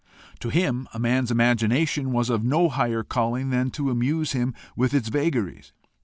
To him a man's imagination was of no higher calling than to amuse him with its vagaries.